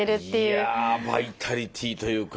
いやバイタリティーというか。ね。